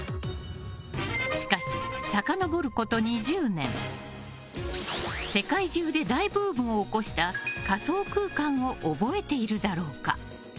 しかし、さかのぼること２０年世界中で大ブームを起こした仮想空間を覚えているだろうか。